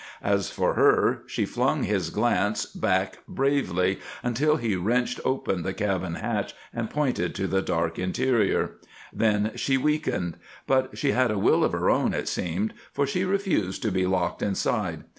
As for her, she flung his glance back bravely until he wrenched open the cabin hatch and pointed to the dark interior. Then she weakened. But she had a will of her own, it seemed, for she refused to be locked inside.